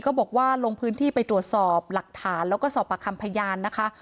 บอกว่าลงพื้นที่ไปตรวจสอบหลักฐานแล้วก็สอบประคำพยานนะคะ